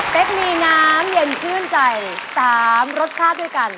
มีน้ำเย็นชื่นใจ๓รสชาติด้วยกัน